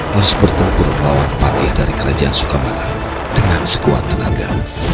harus bertempur melawan pati dari kerajaan sukamana dengan sekuat tenaga